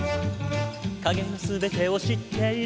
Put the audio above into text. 「影の全てを知っている」